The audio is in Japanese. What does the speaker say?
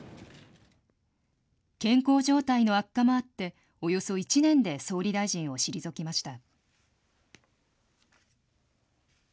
健康状態の悪化もあって、およそ１年で総理大臣を退きました。